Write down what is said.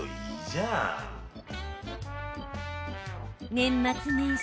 年末年始